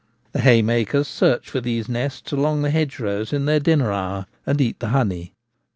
The haymakers search for these nests along the hedgerows in their dinner hour, and eat the honey.